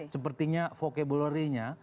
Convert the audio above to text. sepertinya vocabulary nya